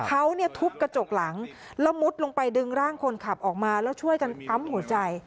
เขาเนี่ยทุบกระจกหลังแล้วมุดลงไปดึงร่างคนขับออกมา